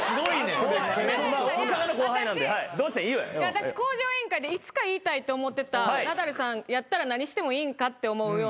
私『向上委員会』でいつか言いたいと思ってたナダルさんやったら何してもいいんかって思うような行動が。